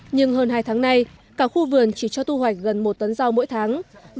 nhưng hơn hai tháng nay cả khu vườn chỉ cho thu hoạch gần một tấn rau mỗi tháng